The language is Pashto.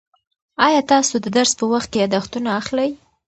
آیا تاسو د درس په وخت کې یادښتونه اخلئ؟